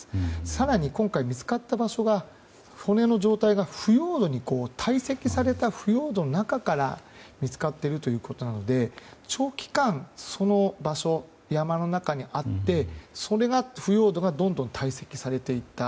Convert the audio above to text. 更に、今回見つかった場所骨の状態が堆積された腐葉土の中から見つかっているということなので長期間、その場所山の中にあって腐葉土が堆積されていった。